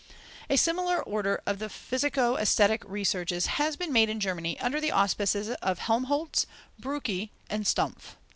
A similar order of physico aesthetic researches has been made in Germany, under the auspices of Helmholtz, Brücke, and Stumpf.